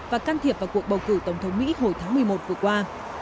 và can thiệp vào cuộc bầu cử tổng thống mỹ hồi tháng một mươi một vừa qua